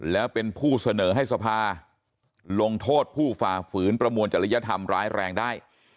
แล้วเป็นผู้เสนอให้สภาลงโทษผู้ฝ่าฝืนประมวลจริยธรรมร้ายแรงได้